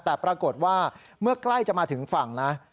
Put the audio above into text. แต่ปรากฏว่าเมื่อใกล้จะมาถึงฝั่งนะ